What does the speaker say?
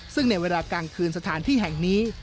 ซึ่งในเวลากลางคืนสถานที่แห่งนี้